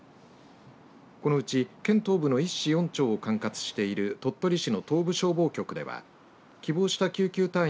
このうち、県東部の１市４町を管轄している鳥取市の東部消防局では希望した救急隊員